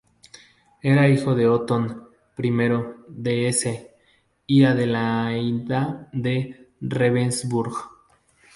Era hijo de Otón I de Hesse y Adelaida de Ravensburg.